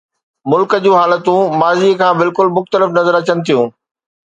ملڪ جون حالتون ماضيءَ کان بلڪل مختلف نظر اچن ٿيون.